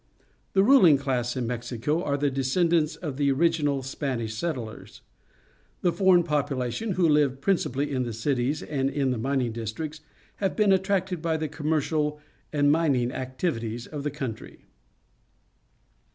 The ruling class in Mexico are the descend ants of the original Spanish settlers. The foreign population, who five principally m the cities and in the mining districts, have been attracted by the commercial and min ing activities of the country.